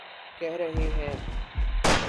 کہہ رہے ہیں۔